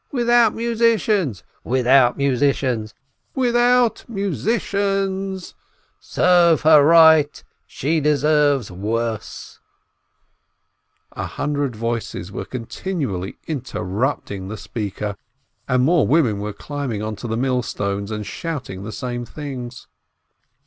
—" "Without musicians !" "Without musicians !" "Without musicians !" "Serve her right !" "She deserves worse !" A hundred voices were continually interrupting the speaker, and more women were climbing onto the mill stones, and shouting the same things.